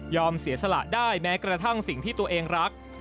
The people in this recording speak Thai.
เสียสละได้แม้กระทั่งสิ่งที่ตัวเองรัก